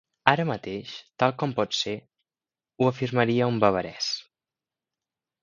Ara mateix, tal com potser ho afirmaria un bavarès.